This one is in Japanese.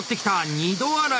二度洗い！